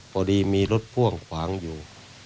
พอดีมีรถพ่วงขวางอยู่